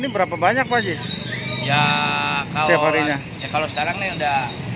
berapa itu di tarifnya